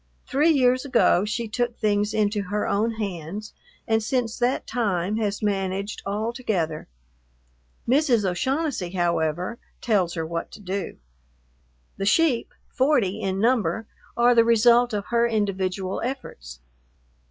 Three years ago she took things into her own hands, and since that time has managed altogether. Mrs. O'Shaughnessy, however, tells her what to do. The sheep, forty in number, are the result of her individual efforts.